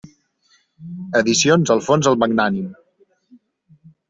Edicions Alfons el Magnànim.